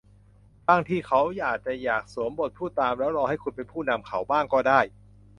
บางทีเขาอาจจะอยากสวมบทผู้ตามแล้วรอให้คุณเป็นผู้นำเขาบ้างก็ได้